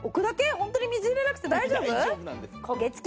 ホントに水入れなくて大丈夫？